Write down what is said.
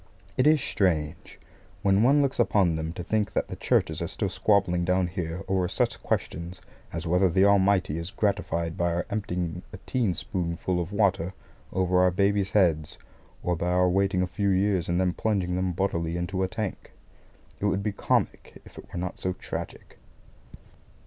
It is strange, when one looks upon them, to think that the Churches are still squabbling down here over such questions as whether the Almighty is most gratified by our emptying a tea spoonful of water over our babies' heads, or by our waiting a few years and then plunging them bodily into a tank. It would be comic if it were not so tragic.